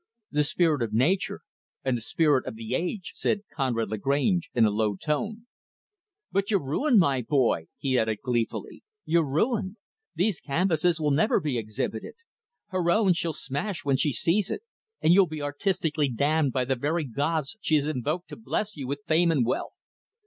"'The Spirit of Nature' and 'The Spirit of the Age'," said Conrad Lagrange, in a low tone. "But you're ruined, my boy," he added gleefully. "You're ruined. These canvases will never be exhibited Her own, she'll smash when she sees it; and you'll be artistically damned by the very gods she has invoked to bless you with fame and wealth.